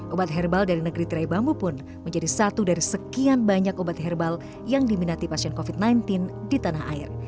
obat herbal dari negeri tirai bambu pun menjadi satu dari sekian banyak obat herbal yang diminati pasien covid sembilan belas di tanah air